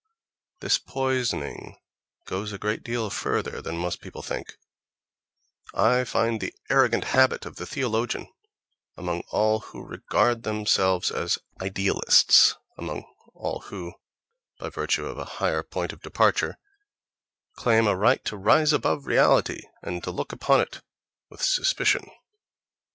This poisoning goes a great deal further than most people think: I find the arrogant habit of the theologian among all who regard themselves as "idealists"—among all who, by virtue of a higher point of departure, claim a right to rise above reality, and to look upon it with suspicion....